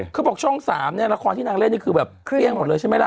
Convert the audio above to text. คือบอกช่อง๓เนี่ยละครที่นางเล่นนี่คือแบบเปรี้ยงหมดเลยใช่ไหมล่ะ